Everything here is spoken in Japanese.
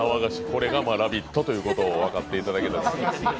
これが「ラヴィット！」ということを分かっていただけたと思います。